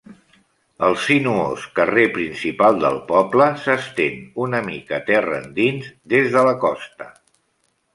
El sinuós carrer principal del poble s'estén una mica terra endins des de la costa.